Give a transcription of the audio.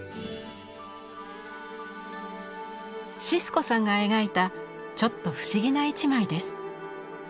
シスコさんが描いたちょっと不思議な一枚です。